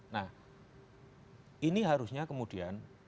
nah ini harusnya kemudian